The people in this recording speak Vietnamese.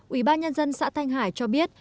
ủy ban nhân dân xã thanh hải cho biết